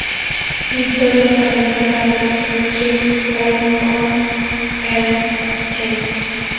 Mi historia para enfrentarlos es "Child's Play on Elm Street".